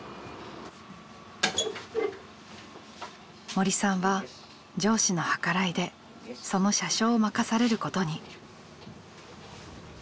森さんは上司の計らいでその車掌を任されることに。